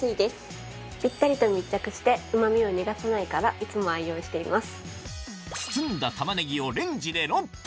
ぴったりと密着してうま味を逃がさないからいつも愛用しています。